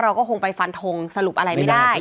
เราก็คงไปฟันทงสรุปอะไรไม่ได้